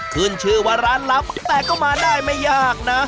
ขึ้นชื่อว่าร้านลับแต่ก็มาได้ไม่ยากนะ